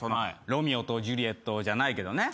ロミオとジュリエットじゃないけどね。